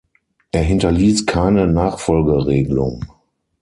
Er hinterließ keine Nachfolgeregelung.